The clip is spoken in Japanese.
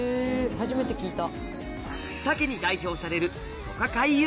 初めて聞いた。